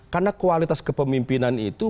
karena kualitas kepemimpinan itu